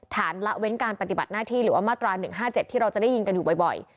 ฐานละเว้นการปฏิบัติหน้าที่หรือว่ามาตราหนึ่งห้าเจ็ดที่เราจะได้ยินกันอยู่บ่อยบ่อย